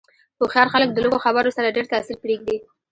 هوښیار خلک د لږو خبرو سره ډېر تاثیر پرېږدي.